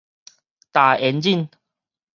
踏引擎